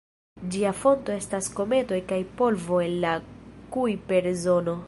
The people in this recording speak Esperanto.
Ĝia fonto estas kometoj kaj polvo el la Kujper-zono.